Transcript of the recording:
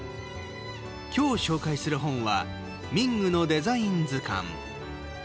今日紹介する本は「民具のデザイン図鑑」。